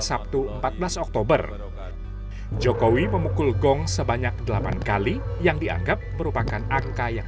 sabtu empat belas oktober jokowi memukul gong sebanyak delapan kali yang dianggap merupakan angka yang